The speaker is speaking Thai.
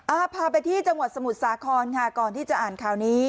พาไปที่จังหวัดสมุทรสาครค่ะก่อนที่จะอ่านข่าวนี้